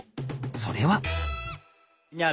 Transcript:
それは。